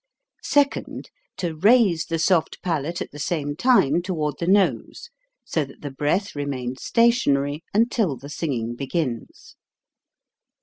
Secvnd, to raise the soft palate at the same time toward the nose, so that the breath remains stationary until the singing begins.